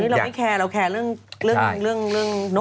เราไม่แครับเรื่องนกข่อย